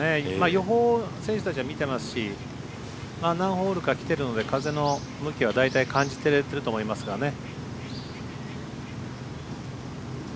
予報を選手たちは見てますし何ホールか来ているので風の向きは大体感じれてると思いますがね。